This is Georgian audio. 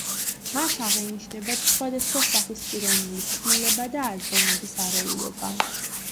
მათ აღენიშნებათ სხვადასხვა სახის პიროვნული ცვლილება და აზროვნების არეულობა.